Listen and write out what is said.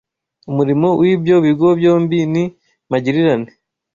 Umurimo w’ibyo bigo byombi ni magirirane